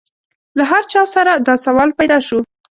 له هر چا سره دا سوال پیدا شو.